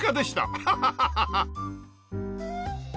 ハハハハハ。